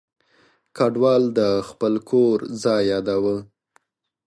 کډوال د خپل کور ځای یاداوه.